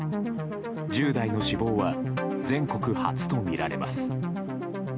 １０代の死亡は全国初とみられます。